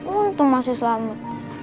untung masih selamat